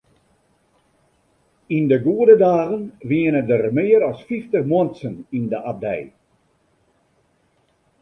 Yn de goede dagen wiene der mear as fyftich muontsen yn de abdij.